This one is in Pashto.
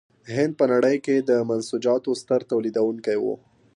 هند په نړۍ کې د منسوجاتو ستر تولیدوونکی و.